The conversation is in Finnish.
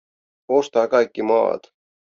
Ostaa kaikki maat.